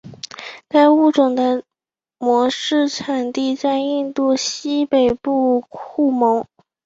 该物种的模式产地在印度西北部库蒙。